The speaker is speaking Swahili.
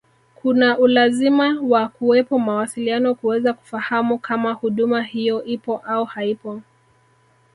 kuna ulazima wa kuwepo mawasiliano kuweza kufahamu kama huduma hiyo ipo au haipo